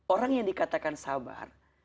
orang yang dikatakan sabar